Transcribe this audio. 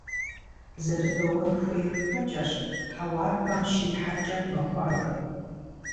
Зэрыбэуэн хуейр пэкӀэщ, хьэуар пэм щихьэкӀэ мэхуабэ.